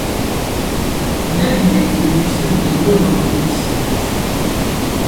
Il a l'idée de lui faire jouer un policier russe.